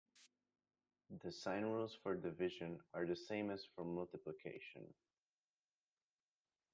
The sign rules for division are the same as for multiplication.